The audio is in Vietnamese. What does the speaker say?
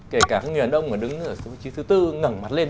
kể cả người hàn đông mà đứng ở số bốn ngẩn mặt lên